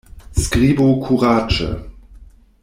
Skribu kuraĝe!